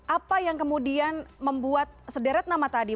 apa yang kemudian membuat sederet nama tadi